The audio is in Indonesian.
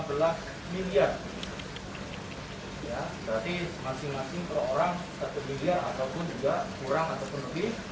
berarti masing masing per orang satu miliar ataupun juga kurang ataupun lebih